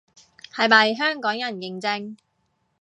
係咪香港人認證